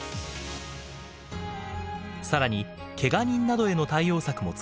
更にけが人などへの対応策も作りました。